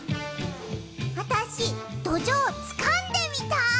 あたしどじょうつかんでみたい！